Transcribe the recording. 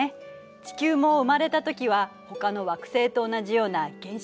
地球も生まれたときはほかの惑星と同じような原始惑星